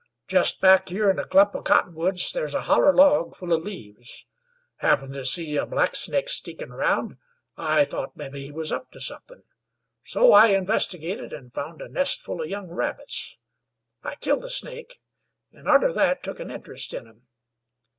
"Jest back here in a clump of cottonwoods there's a holler log full of leaves. Happenin' to see a blacksnake sneakin' round, I thought mebbe he was up to somethin', so I investigated, an' found a nest full of young rabbits. I killed the snake, an' arter that took an interest in 'em.